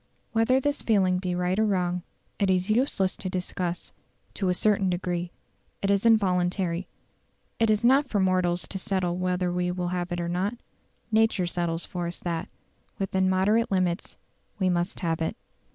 Whether this feeling be right or wrong, it is useless to discuss; to a certain degree, it is involuntary; it is not for mortals to settle whether we will have it or not; nature settles for us that, within moderate limits, we must have it.